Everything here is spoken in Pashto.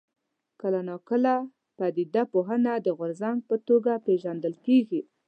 کله ناکله پدیده پوهنه د غورځنګ په توګه پېژندل کېږي.